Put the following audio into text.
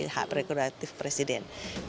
hak rekodatif presiden